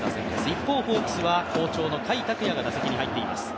一方ホークスは好調の甲斐拓也が打席に入っています。